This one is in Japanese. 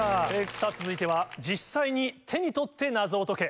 さぁ続いては実際に手に取って謎を解け。